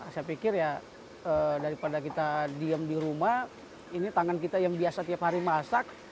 saya pikir ya daripada kita diem di rumah ini tangan kita yang biasa tiap hari masak